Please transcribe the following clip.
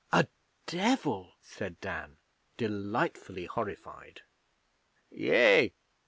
'A Devil!' said Dan, delightfully horrified. 'Yea.